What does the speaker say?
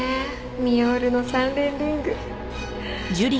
ミヨールの３連リング。